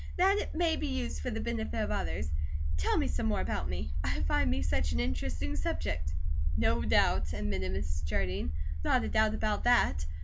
"That it may be used for the benefit of others. Tell me some more about me. I find me such an interesting subject." "No doubt!" admitted Mrs. Jardine. "Not a doubt about that!